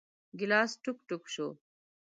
ګیلاس ټوک ، ټوک شو .